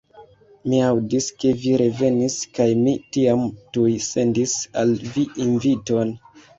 Mi aŭdis, ke vi revenis, kaj mi tiam tuj sendis al vi inviton.